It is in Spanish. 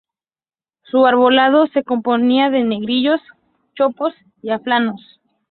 Su arbolado se componía de negrillos, chopos y álamos.